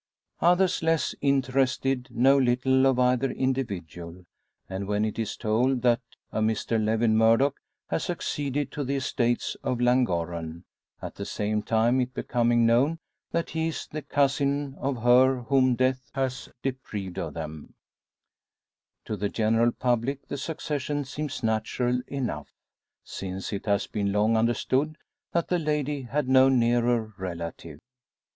Others less interested know little of either individual, and when it is told that a Mr Lewin Murdock has succeeded to the estates of Llangorren at the same time it becoming known that he is the cousin of her whom death has deprived of them to the general public the succession seems natural enough; since it has been long understood that the lady had no nearer relative.